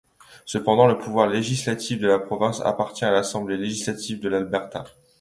Cependant, le pouvoir législatif de la province appartient à l'Assemblée législative de l'Alberta.